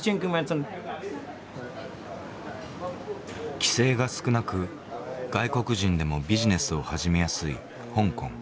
規制が少なく外国人でもビジネスを始めやすい香港。